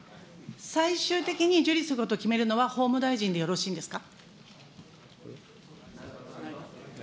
最終的に受理すると決めるのは法務大臣でよろしいんですか。